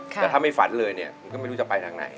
แต่ถ้าไม่ฝันเลยเนี่ยมันก็ไม่รู้จะไปทางไหน